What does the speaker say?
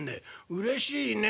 「うれしいね。